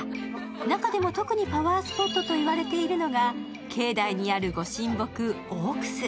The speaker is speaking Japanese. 中でも特にパワースポットといわれているのが、境内にあるご神木・大楠。